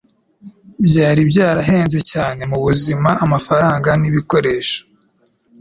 Byari byarahenze cyane mubuzima, amafaranga, nibikoresho.